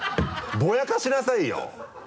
ぼやかしなさいよ！